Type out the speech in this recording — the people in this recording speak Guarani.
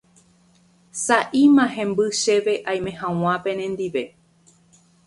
sa'íma hemby chéve aime hag̃ua penendive